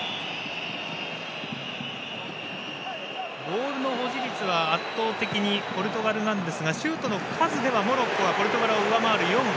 ボールの保持率は圧倒的にポルトガルなんですがシュートの数ではモロッコはポルトガルを上回る４本。